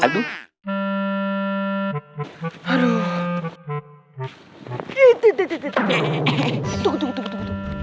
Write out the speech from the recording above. tunggu tunggu tunggu